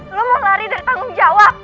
lo mau lari dari tanggung jawab